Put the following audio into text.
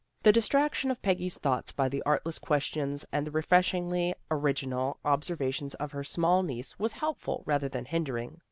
The distraction of Peggy's thoughts by the artless questions and the refreshingly original observations of her small niece was helpful rather than hindering.